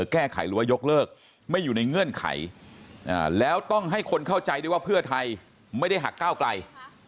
แก้ไขหรือว่ายกเลิกไม่อยู่ในเงื่อนไขแล้วต้องให้คนเข้าใจด้วยว่าเพื่อไทยไม่ได้หักก้าวไกล